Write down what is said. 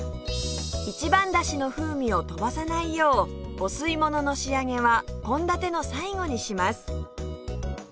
一番だしの風味を飛ばさないようお吸いものの仕上げは献立の最後にします